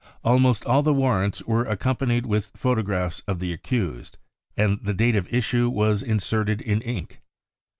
Almost all the warrants were accompanied with photo graphs of the accused, and the date of issue was inserted in ink.